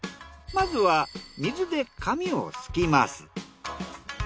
まずは水で紙をすきます。